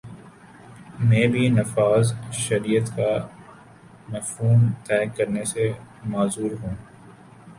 میں بھی نفاذ شریعت کا مفہوم طے کرنے سے معذور ہوں۔